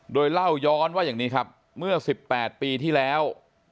โดยเล่าย้อนว่าอย่างนี้ครับเมื่อ๑๘ปีที่แล้ว